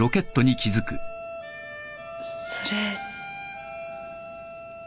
それ